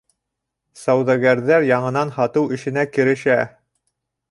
Сауҙагәрҙәр яңынан һатыу эшенә керешә.